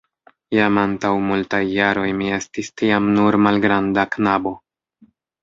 Jam antaŭ multaj jaroj mi estis tiam nur malgranda knabo.